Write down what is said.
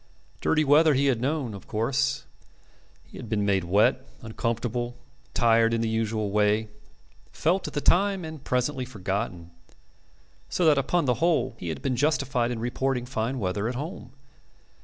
Dirty weather he had known, of course. He had been made wet, uncomfortable, tired in the usual way, felt at the time and presently forgotten. So that upon the whole he had been justified in reporting fine weather at home.